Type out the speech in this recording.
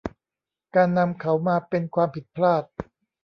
การนำเขามาเป็นความผิดพลาด